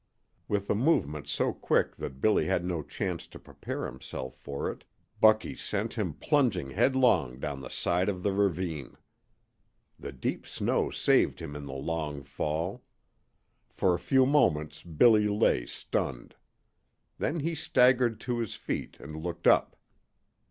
With a movement so quick that Billy had no chance to prepare himself for it Bucky sent him plunging headlong down the side of the ravine. The deep snow saved him in the long fall. For a few moments Billy lay stunned. Then he staggered to his feet and looked up.